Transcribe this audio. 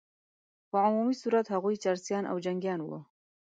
په عمومي صورت هغوی چرسیان او جنګیان وه.